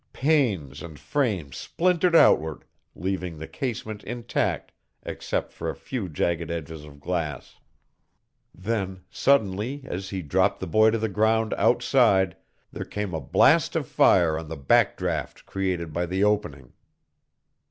Panes and frame splintered outward, leaving the casement intact except for a few jagged edges of glass. Then, suddenly, as he dropped the boy to the ground outside, there came a blast of fire on the back draft created by the opening.